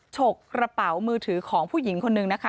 ฉกกระเป๋ามือถือของผู้หญิงคนนึงนะคะ